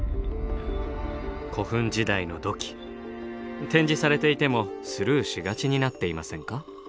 古墳時代の土器展示されていてもスルーしがちになっていませんか？